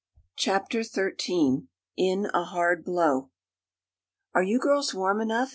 CHAPTER XIII IN A HARD BLOW "Are you girls warm enough?"